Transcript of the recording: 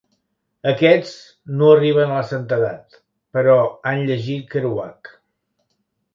Aquests no arriben a la santedat però han llegit Kerouac.